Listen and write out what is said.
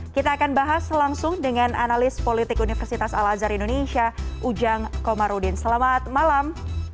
kita akan bahas langsung dengan analis politik universitas al azhar indonesia ujang komarudin selamat malam